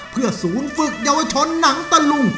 เพื่อศูนย์ฝึกเยาวชนหนังตะลุง